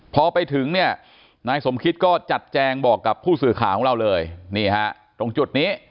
พอไปถึงเนี่ยนายสมคิตก็จัดแจงบอกกับผู้สื่อข่าวของเราเลยนี่ฮะตรงจุดนี้